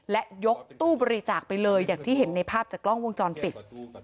และยกตู้บริจาคไปเลยอย่างที่เห็นในภาพจากกล้องวงจรปิด